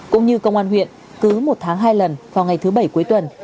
cũng như công an huyện cứ một tháng hai lần vào ngày thứ bảy cuối tuần